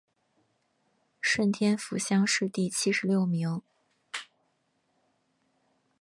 顺天府乡试第七十六名。